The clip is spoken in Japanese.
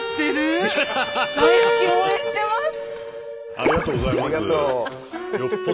ありがとうございます。